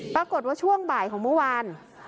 ปรากฏว่าช่วงบ่ายของเมื่อวาน